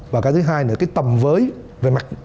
và cái thứ hai nữa cái tầm với về mặt